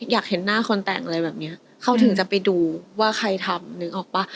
อยากเห็นหน้าคนแต่งอะไรแบบเนี้ยเขาถึงจะไปดูว่าใครทำนึกออกป่ะ